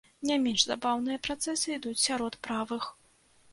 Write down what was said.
Не менш забаўныя працэсы ідуць сярод правых.